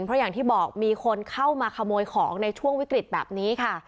เพราะอย่างที่บอกมีคนเข้ามาขโมยของในช่วงวิกฤตแบบนี้ค่ะ